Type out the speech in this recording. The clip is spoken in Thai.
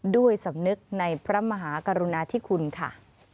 ด้วยสำนึกในพระมหากรุณาธิคุณค่ะ